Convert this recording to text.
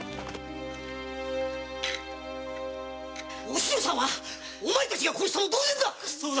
お篠さんはお前達が殺したも同然だ！